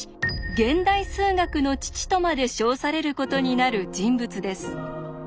現代数学の父とまで称されることになる人物です。